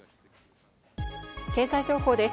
経済情報です。